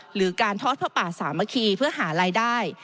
หรือการทอดผ้าป่าสามัคคีเพื่อหารายได้